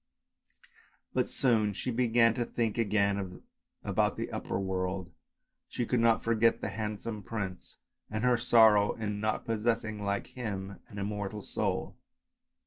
But she soon began to think again about the upper world, she could not forget the handsome prince and her sorrow in not possessing, like him, an immortal soul.